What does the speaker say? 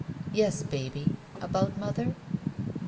"Yes, baby — about mother?"